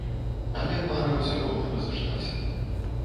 Але пара ўсё роўна разышлася.